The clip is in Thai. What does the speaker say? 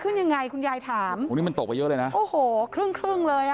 ยังไงคุณยายถามโอ้นี่มันตกไปเยอะเลยนะโอ้โหครึ่งครึ่งเลยอ่ะ